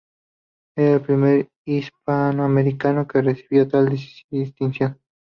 Era el primer hispanoamericano que recibía tal distinción.